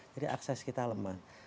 jadi akses kita lemah